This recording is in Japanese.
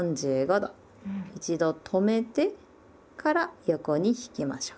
一度止めてから横に引きましょう。